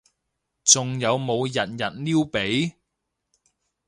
仲有冇日日撩鼻？